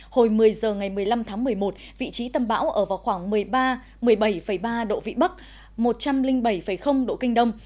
hồi một mươi h ngày một mươi năm tháng một mươi một vị trí tâm bão ở vào khoảng một mươi ba một mươi bảy ba độ vĩ bắc một trăm linh bảy độ kinh đông